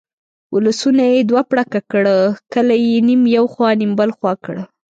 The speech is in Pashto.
ولسونه یې دوه پړکه کړه، کلي یې نیم یو خوا نیم بلې خوا کړه.